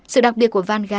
sự đặc biệt của vanga